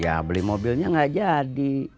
ya beli mobilnya nggak jadi